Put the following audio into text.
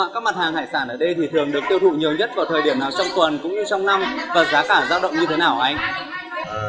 các mặt hàng hải sản ở đây thì thường được tiêu thụ nhiều nhất vào thời điểm nào trong tuần cũng như trong năm và giá cả giao động như thế nào hả anh